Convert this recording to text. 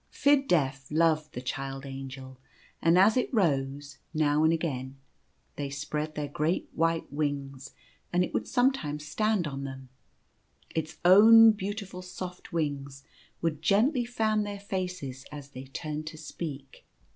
Fid Def loved the Child Angel, and as it rose now and again, they spread their great white wings, and it would sometimes stand on them. Its own beautiful soft wings would gently fan their faces as they turned to speak.